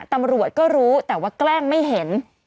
ตำรวจรู้แต่แกล้งไม่เห็น